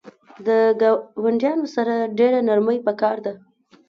د ګاونډیانو سره ډیره نرمی پکار ده